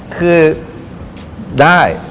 คือได้